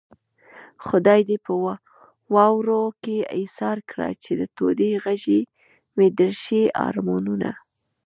خدای دې په واورو کې ايسار کړه چې د تودې غېږې مې درشي ارمانونه